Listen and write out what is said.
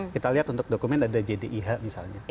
kita lihat untuk dokumen ada jdih misalnya